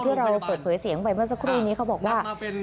ที่เราเปิดเผยเสียงไปเมื่อสักครู่นี้เขาบอกว่า